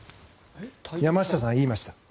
山下さん、言いました。